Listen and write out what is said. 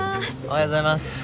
おはようございます。